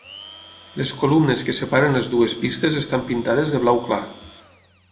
Les columnes que separen les dues pistes estan pintades de blau clar.